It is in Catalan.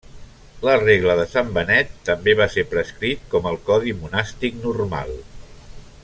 La Regla de Sant Benet també va ser prescrit com el codi monàstic normal.